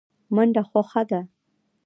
منډه خوښه ده.